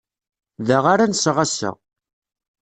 Da ara nseɣ ass-a.